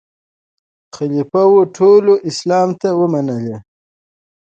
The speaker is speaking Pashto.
خلیفه وو ټول اسلام ته وو منلی